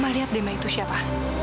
ma lihat deh ma itu siapa